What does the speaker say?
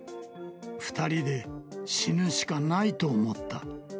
２人で死ぬしかないと思った。